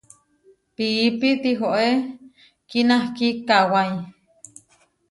Piipi tihoé kinahkí kawái.